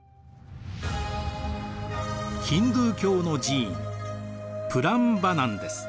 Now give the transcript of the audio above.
ヒンドゥー教の寺院プランバナンです。